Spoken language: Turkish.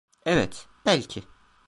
Evet, belki.